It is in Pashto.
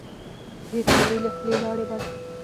د سړي له خولې لاړې باد شوې.